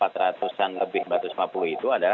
satusan lebih empat ratus lima puluh itu adalah